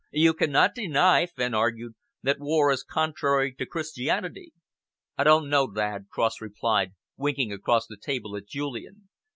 "You cannot deny," Fenn argued, "that war is contrary to Christianity." "I dunno, lad," Cross replied, winking across the table at Julian.